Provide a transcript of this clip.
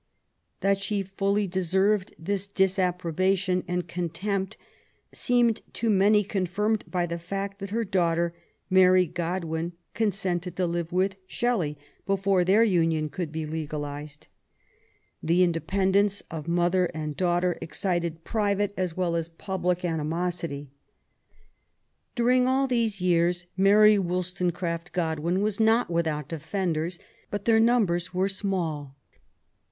That she fully deserved this disapprobation and con tempt seemed to many confirmed by the fact that her daughter, Mary Godwin, consented to live with Shelley before their union could be legalized. The indepen 1 ♦ 4 MABT W0LL8T0NEGBAFT OODWIN. dence of mother and daughter excited private as well as public animosity. During all these years Mary WoUstonecraf t Godwin was not without defenders, but their number was small.